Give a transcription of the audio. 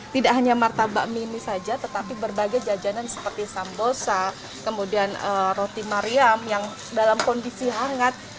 tidak hanya martabak mini saja tetapi berbagai jajanan seperti sambosa kemudian roti mariam yang dalam kondisi hangat